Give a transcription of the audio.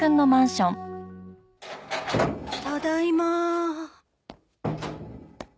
ただいま。